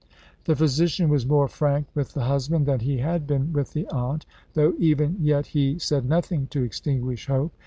The physician was more frank with the husband than he had been with the aunt, though even yet he said nothing to extinguish hope.